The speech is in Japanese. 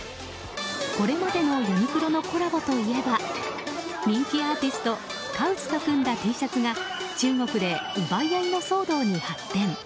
これまでのユニクロのコラボといえば人気アーティストＫＡＷＳと組んだＴシャツが中国で奪い合いの騒動に発展。